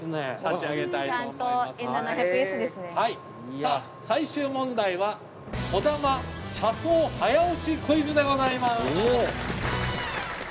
さあ最終問題はこだま車窓早押しクイズでございます。